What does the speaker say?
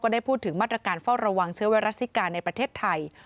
ได้พูดถึงมาตรการเฝ้าระวังเชื้อไวรัสซิกาในประเทศไทย